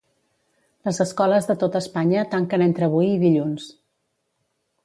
Les escoles de tota Espanya tanquen entre avui i dilluns.